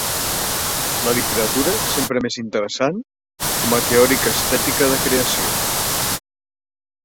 La literatura, sempre més interessant, com a teoria estètica de creació.